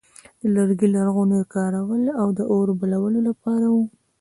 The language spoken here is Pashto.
د لرګي لرغونی کارول د اور بلولو لپاره و.